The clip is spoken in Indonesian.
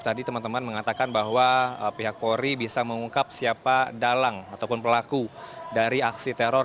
tadi teman teman mengatakan bahwa pihak polri bisa mengungkap siapa dalang ataupun pelaku dari aksi teror